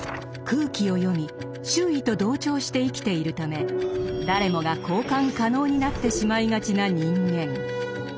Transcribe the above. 空気を読み周囲と同調して生きているため誰もが交換可能になってしまいがちな人間。